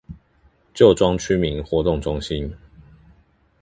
舊莊區民活動中心